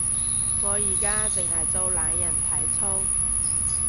我而家淨係做懶人體操